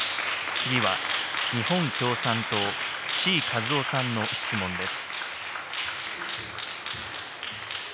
次は、日本共産党、志位和夫さんの質問です。